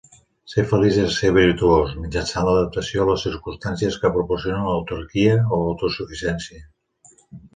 Ser feliç és ser virtuós, mitjançant l'adaptació a les circumstàncies que proporciona l'autarquia o autosuficiència.